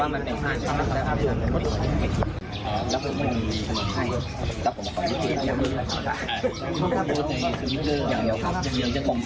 แต่น่าไปแล้วผมบ่งเลยปัญหา